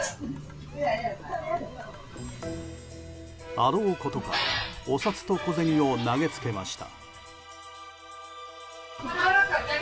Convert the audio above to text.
あろうことかお札と小銭を投げつけました。